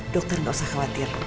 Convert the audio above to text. dokter gak usah khawatir